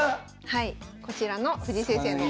はいこちらの藤井先生の。